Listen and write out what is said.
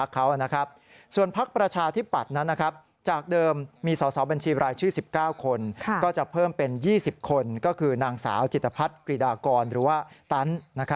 ๒๙คนก็จะเพิ่มเป็น๒๐คนก็คือนางสาวจิตภัศน์กริดากรหรือว่าตั๊น